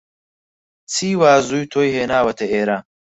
چی وا زوو تۆی هێناوەتە ئێرە؟